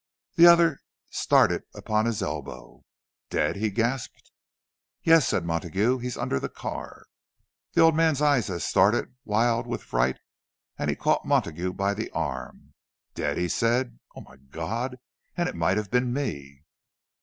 The other started upon his elbow. "Dead!" he gasped. "Yes," said Montague. "He's under the car." The old man's eyes had started wild with fright; and he caught Montague by the arm. "Dead!" he said. "O my God—and it might have been me!"